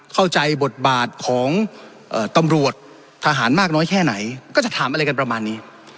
เข้าใจบทบาทของตำรวจทหารมากน้อยแค่ไหนก็จะถามอะไรกันประมาณนี้